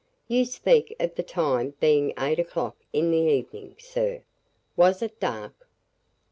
"You speak of the time being eight o'clock in the evening, sir. Was it dark?"